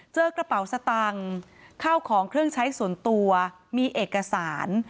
เจอกระเป๋าสตังค์ข้าวของเครื่องใช้ส่วนตัวมีเอกสาร